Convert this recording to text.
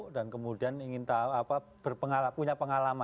dan kemudian ingin tahu apa berpengalaman punya pengalaman